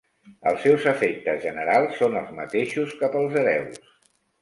Els seus efectes generals són els mateixos que pels hereus.